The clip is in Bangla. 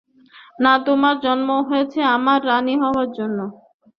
না, তোমার জন্ম হয়েছে আমার রানী হবার জন্য।